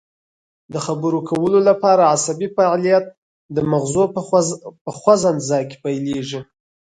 د خبرو کولو لپاره عصبي فعالیت د مغزو په خوځند ځای کې پیلیږي